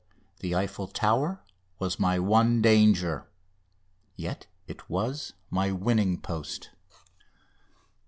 The Eiffel Tower was my one danger, yet it was my winning post!